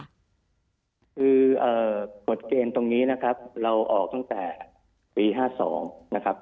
คือกฎเกณฑ์ตรงนี้นะครับเราออกตั้งแต่ปี๕๒นะครับ